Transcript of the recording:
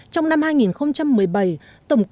trong năm hai nghìn một mươi bảy